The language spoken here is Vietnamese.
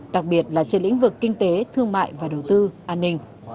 đặc biệt là trên lĩnh vực kinh tế thương mại và đầu tư an ninh